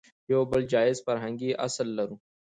يو بل جايز فرهنګي اصل لرو